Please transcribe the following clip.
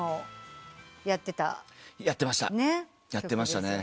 やってました。